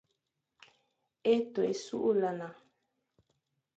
Étô é sughlana.